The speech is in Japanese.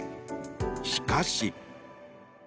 しかし。